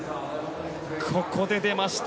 ここで出ました。